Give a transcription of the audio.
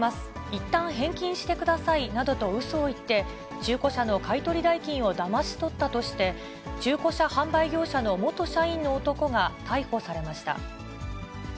いったん返金してくださいなどとうそを言って、中古車の買い取り代金をだまし取ったとして、中古車販売会社の元社員の男が逮捕されました。